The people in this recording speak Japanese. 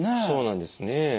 そうなんですね。